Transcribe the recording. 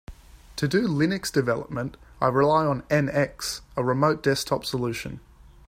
To do Linux development, I rely on NX, a remote desktop solution.